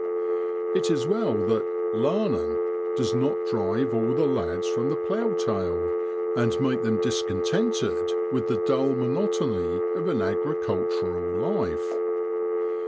It is well that ' larnin' ' does not drive all the lads from the ploughtail, and make them discontented with the dull monotony of an agricultural life.